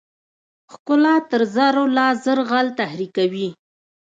ښکلا تر زرو لا ژر غل تحریکوي.